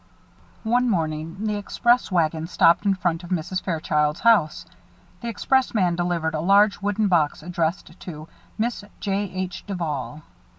One morning the express wagon stopped in front of Mrs. Fairchild's house. The express man delivered a large wooden box addressed to "Miss J.H. Duval."